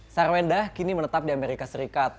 sarwenda kini menetap di amerika serikat